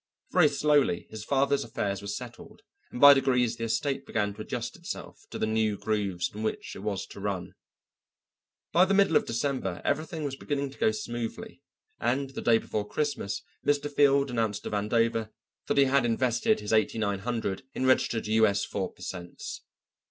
Very slowly his father's affairs were settled, and by degrees the estate began to adjust itself to the new grooves in which it was to run. By the middle of December everything was beginning to go smoothly, and the day before Christmas Mr. Field announced to Vandover that he had invested his eighty nine hundred in registered U.S. 4 per cents.